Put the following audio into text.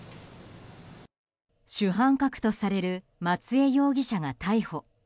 主犯格とされる松江容疑者が逮捕。